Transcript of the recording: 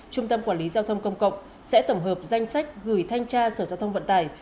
trung tâm quản lý giao thông công cộng sẽ tổng hợp danh sách gửi thanh tra sở giao thông vận tải